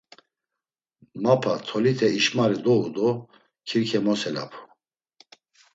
Mapa, tolite işmari dou do Kirke moselapu.